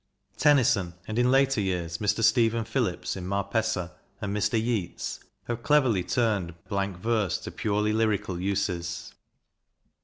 Tennyson, and in later years Mr. Stephen Phillips in " Marpessa," and Mr. Yeats, have cleverly turned blank verse to purely lyrical uses.